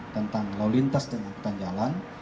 tentang lalu lintas dan angkutan jalan